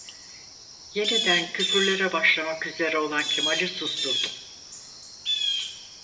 Yeniden küfürlere başlamak üzere olan Kemal'i susturdum.